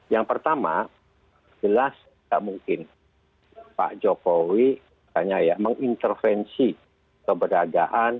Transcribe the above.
yang pertama jelas tidak mungkin pak jokowi mengintervensi keberadaan